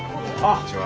こんにちは。